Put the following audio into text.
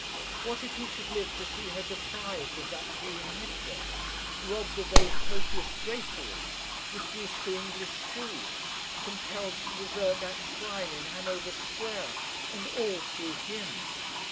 What if he should live to see her deprived of that green headdress, robbed of those copious draperies, reduced to English shoes, compelled to desert that shrine in Hanover Square, and all through him!